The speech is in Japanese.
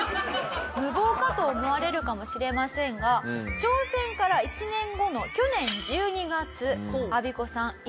無謀かと思われるかもしれませんが挑戦から１年後の去年１２月アビコさん